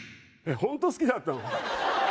ホント好きだったの？